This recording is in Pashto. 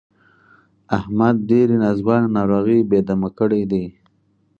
احمد ډېرې ناځوانه ناروغۍ بې دمه کړی دی.